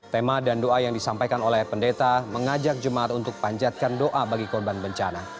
tema dan doa yang disampaikan oleh pendeta mengajak jemaat untuk panjatkan doa bagi korban bencana